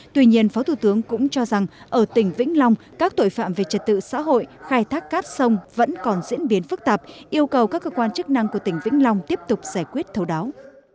tuy nhiên phó thủ tướng cũng cho rằng ở tỉnh vĩnh long các tội phạm về trật tự xã hội khai thác cát sông vẫn còn diễn biến phức tạp yêu cầu các cơ quan chức năng của tỉnh vĩnh long tiếp tục giải quyết thấu đáo